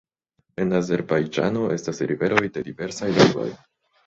En Azerbajĝano estas riveroj de diversaj longoj.